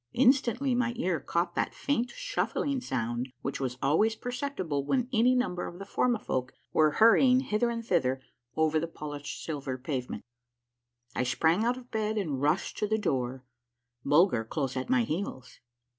Instantly my ear caught that faint, shuffling sound which was always perceptible when any number of the Formifolk were hurrying hither and thither over the polished silver pavement. 130 A MARVELLOUS UNDERGROUND JOURNEY I sprang out of bed and rushed to the door, Bulger close at my heels.